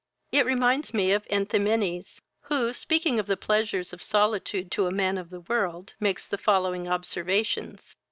It reminds me of Enthymenes, who, speaking of the pleasures of solitude to a man of the world, makes the following observations.